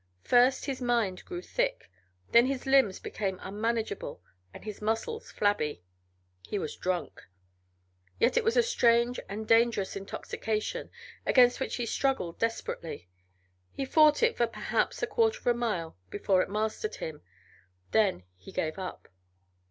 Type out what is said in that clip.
First his mind grew thick, then his limbs became unmanageable and his muscles flabby. He was drunk. Yet it was a strange and dangerous intoxication, against which he struggled desperately. He fought it for perhaps a quarter of a mile before it mastered him; then he gave up.